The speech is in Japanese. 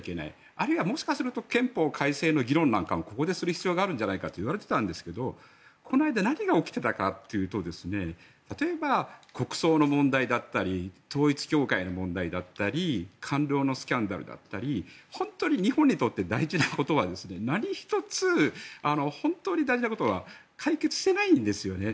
あるいは、もしかすると憲法改正の議論なんかもここでする必要があるのではといわれてましたがこの間何が起きていたかというと例えば、国葬の問題だったり統一教会の問題だったり官僚のスキャンダルだったり本当に日本にとって大事なことは何一つ、本当に大事なことは解決してないんですよね。